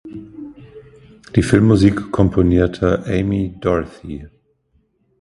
Die Filmmusik komponierte Amie Doherty.